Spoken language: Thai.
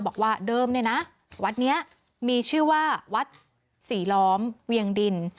บอกว่าเดิมเนี่ยนะวัดนี้มีชื่อว่าวัดศรีล้อมเวียงดิน